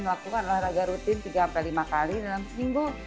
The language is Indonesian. melakukan olahraga rutin tiga lima kali dalam seminggu